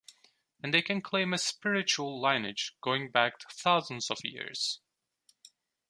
And they can claim a "spiritual" lineage going back thousands of years.